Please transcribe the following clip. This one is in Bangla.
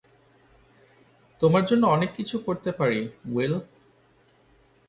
তোমার জন্য অনেক কিছু করতে পারি, উইল।